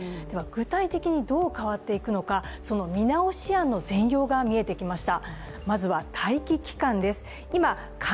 具体的にどう変わっていくのか、その見直し案の全容が見えてきました。